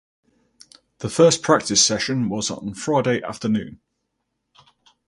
The first practice session was on Friday afternoon.